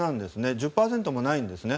１０％もないんですね。